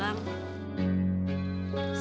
baik banget tau dibunuh